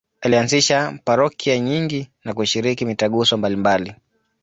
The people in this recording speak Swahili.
Alianzisha parokia nyingi na kushiriki mitaguso mbalimbali.